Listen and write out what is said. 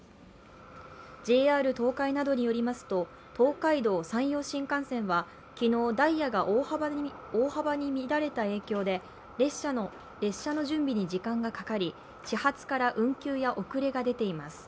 ＪＲ東海などによりますと東海道・山陽新幹線は昨日、ダイヤが大幅に乱れた影響で列車の準備に時間がかかり始発から運休や遅れが出ています。